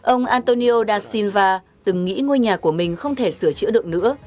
ông antonio da silva từng nghĩ ngôi nhà của mình không thể sửa chữa được nữa